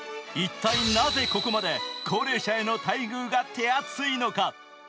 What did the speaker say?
一体なぜここまで高齢者への待遇が手厚いのか。